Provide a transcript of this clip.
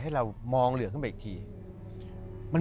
ให้เรามองเหลืองขึ้นไปอีกที